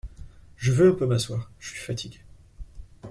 Je veux un peu m’asseoir ; je suis fatiguée !